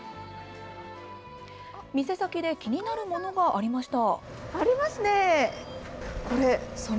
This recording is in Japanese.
店先で気になるものがありました。